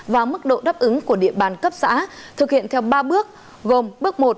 và mức độ đáp ứng của địa bàn cấp xã thực hiện theo ba bước gồm bước một